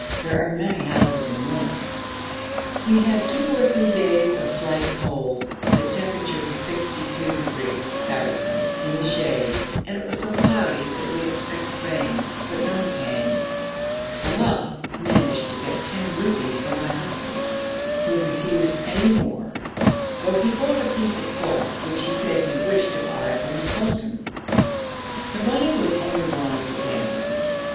There are many houses in ruins. We had two or three days of slight cold. The temperature was 62° (F.) in the shade, and it was so cloudy that we expected rain, but none came. Saleh managed to get ten rupees from my husband, who refused any more, though he brought a piece of cloth which he said he wished to buy from the sultan. The money was only wanted for gambling.